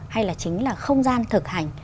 hay là chính là không gian thực hành